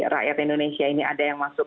rakyat indonesia ini ada yang masuk